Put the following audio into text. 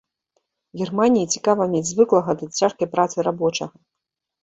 Германіі цікава мець звыклага да цяжкай працы рабочага.